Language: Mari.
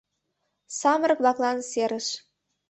САМЫРЫК-ВЛАКЛАН СЕРЫШ